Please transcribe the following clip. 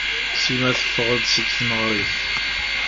Sima teffeɣ-d seg tneɣrit.